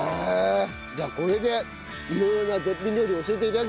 じゃあこれで色々な絶品料理を教えて頂きましょう！